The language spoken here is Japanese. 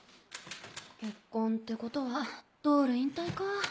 結婚ってことはドール引退か。